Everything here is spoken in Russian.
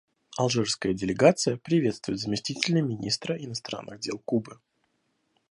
Алжирская делегация приветствует заместителя министра иностранных дел Кубы.